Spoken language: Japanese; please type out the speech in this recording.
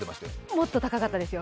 もっと高かったですよ。